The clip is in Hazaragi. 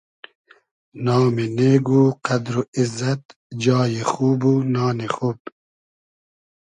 نامی نېگ و قئدر و ایززئد جای خوب و نانی خوب